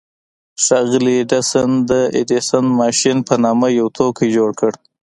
ښاغلي ايډېسن د ايډېسن ماشين په نامه يو توکی جوړ کړ.